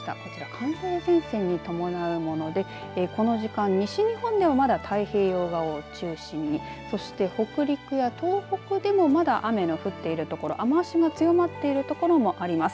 寒冷前線に伴うものでこの時間西日本ではまだ太平洋側を中心にそして北陸や東北でもまだ雨の降っている所雨足が強まっている所もあります。